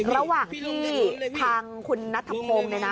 ระหว่างที่ทางคุณนัทธพงศ์เนี่ยนะ